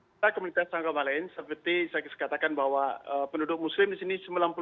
ada komunitas agama lain seperti saya katakan bahwa penduduk muslim di sini